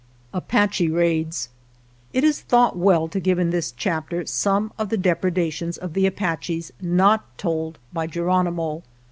Apache Raids It is thought well to give in this chapter some of the depredations of the Apaches, not told by Geronimo.